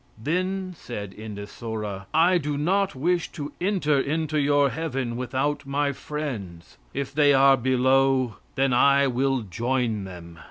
Then said Endestbora: "I do not wish to enter into your heaven without my friends. If they are below, then I will join them."